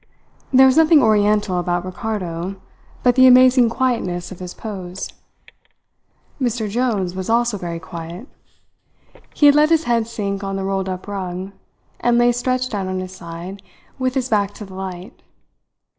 There was nothing oriental about Ricardo but the amazing quietness of his pose. Mr. Jones was also very quiet. He had let his head sink on the rolled up rug, and lay stretched out on his side with his back to the light.